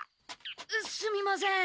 すみません。